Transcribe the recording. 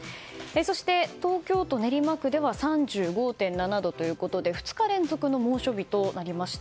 そして、東京都練馬区では３５．７度ということで２日連続の猛暑日となりました。